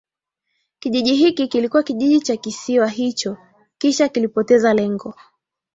Kijiji hiki kilikuwa kijiji cha kisiwa hicho kisha kilipoteza lengo